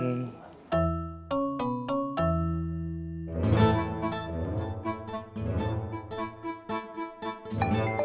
sampai jumpa lagi